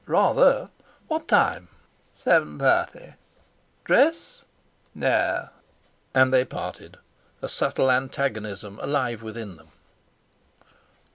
"Rather. What time?" "Seven thirty." "Dress?" "No." And they parted, a subtle antagonism alive within them.